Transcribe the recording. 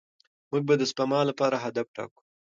موږ به د سپما لپاره هدف ټاکو.